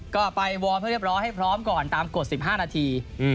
ก็ไปวอร์มให้เรียบร้อยให้พร้อมก่อนตามกฎ๑๕นาที